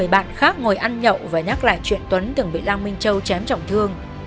bạn khác ngồi ăn nhậu và nhắc lại chuyện tuấn từng bị lăng minh châu chém trọng thương